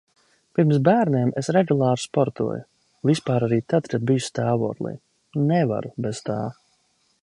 Pirms bērniem es regulāri sportoju, vispār arī tad, kad biju stāvoklī, nevaru bez tā.